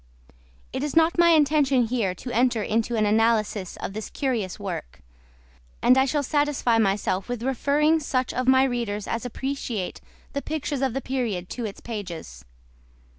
It is not my intention here to enter into an analysis of this curious work; and I shall satisfy myself with referring such of my readers as appreciate the pictures of the period to its pages.